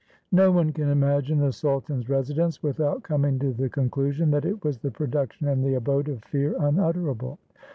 " No one can examine the sultan's residence without coming to the conclusion that it was the production and the abode of fear unutterable.